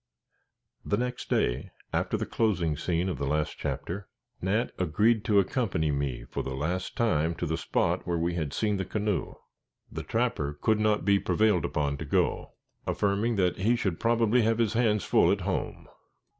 The next day, after the closing scene of the last chapter, Nat agreed to accompany me for the last time to the spot where we had seen the canoe. The trapper could not be prevailed upon to go, affirming that he should probably have his hands full at home.